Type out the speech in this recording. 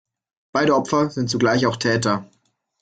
Beide Opfer sind zugleich auch Täter.